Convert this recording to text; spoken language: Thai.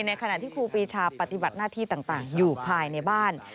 ขณะที่ครูปีชาปฏิบัติหน้าที่ต่างอยู่ภายในบ้าน